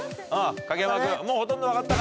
影山君もうほとんど分かったかな。